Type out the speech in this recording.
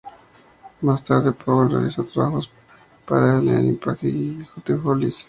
Más tarde Powell realizó trabajos para Elaine Paige y The Hollies.